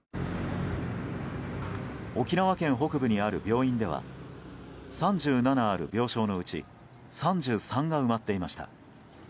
沖縄県北部にある病院では３７ある病床のうち３３が埋まっていました。